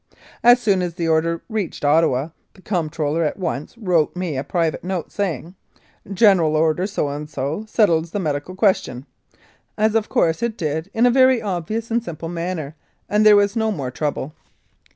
As soon as the Order reached Ottawa the Comptrol ler at once wrote me a private note, saying, "General Order so and so settles the medical question," as, of course, it did in a very obvious and simple manner, and there was no more trouble.